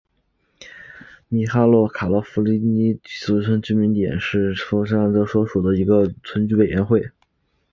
米哈伊洛夫卡村委员会是俄罗斯联邦阿穆尔州米哈伊洛夫卡区所属的一个村委员会。